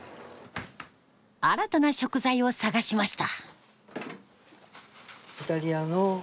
新たな食材を探しました。